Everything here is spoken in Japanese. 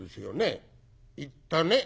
「行ったね」。